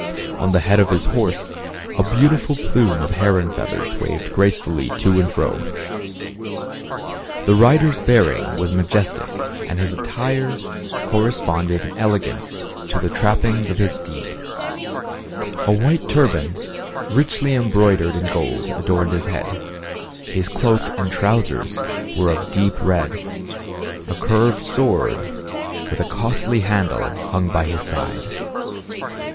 On the head of his horse, a beautiful plume of heron feathers waved grace fully to and fro. The rider's bearing was majestic and his attire 81 82 THE CAB AVAN. corresponded in elegance to the trappings of his steed. A white turban, richly embroidered with gold, adorned his head; his cloak and trousers were of deep red ; a curved sword, with a costly handle, hung by his side.